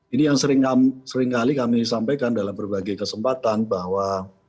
ini yang seringkali kami sampaikan dalam berbagai kesempatan bahwa